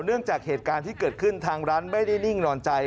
จากเหตุการณ์ที่เกิดขึ้นทางร้านไม่ได้นิ่งนอนใจ